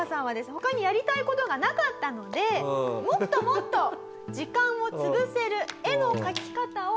他にやりたい事がなかったのでもっともっと時間を潰せる絵の描き方を模索していきます。